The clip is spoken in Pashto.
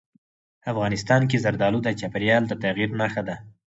افغانستان کې زردالو د چاپېریال د تغیر نښه ده.